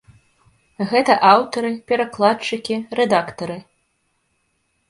Гэта аўтары, перакладчыкі, рэдактары.